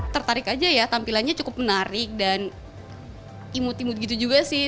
tertarik aja ya tampilannya cukup menarik dan imut imut gitu juga sih